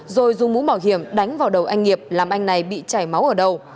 rồi dùng mũ bảo hiểm đánh vào đầu anh nghiệp làm anh này bị chảy máu ở đầu